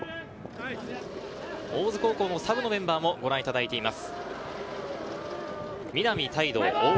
大津高校のサブのメンバーもご覧いただいています。